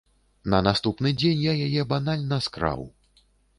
На наступны дзень я яе банальна скраў.